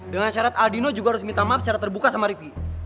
dengan syarat aldino juga harus minta maaf secara terbuka sama ricky